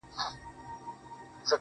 صبر انسان هوښیاروي.